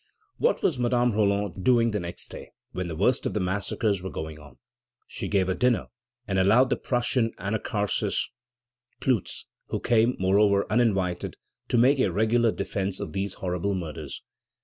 What was Madame Roland doing the next day, when the worst of the massacres were going on? She gave a dinner, and allowed the Prussian, Anacharsis Clootz, who came, moreover, uninvited, to make a regular defence of these horrible murders.